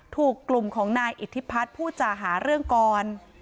ถูกกลุ่มของนายอิทธิพัฒน์ผู้จาหาเรื่องก่อน